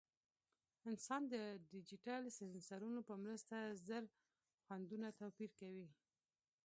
انسان د ډیجیټل سینسرونو په مرسته زر خوندونه توپیر کوي.